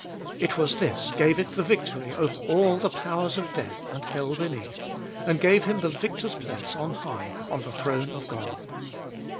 It was this gave it the victory over all the powers of death and hell beneath, and gave Him the victor's place on high on the throne of God.